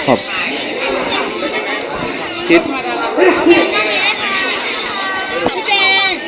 คอบความกล้อง